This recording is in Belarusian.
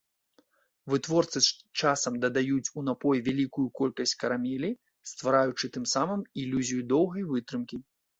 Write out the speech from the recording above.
Вытворцы часам дадаюць у напой вялікую колькасць карамелі, ствараючы тым самым ілюзію доўгай вытрымкі.